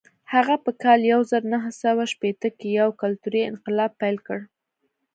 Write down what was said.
هغه په کال یو زر نهه سوه شپېته کې یو کلتوري انقلاب پیل کړ.